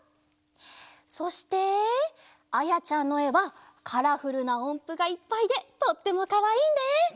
そしてあやちゃんのえはカラフルなおんぷがいっぱいでとってもかわいいね。